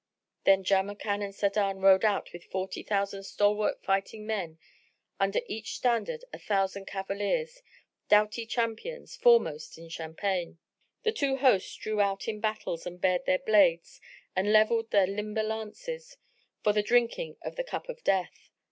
Then Jamrkan and Sa'adan rode out with forty thousand stalwart fighting men, under each standard a thousand cavaliers, doughty champions, foremost in champaign. The two hosts drew out in battles and bared their blades and levelled their limber lances, for the drinking of the cup of death.